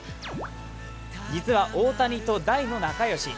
実は、大谷とは大の仲良し。